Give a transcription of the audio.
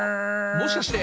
もしかして？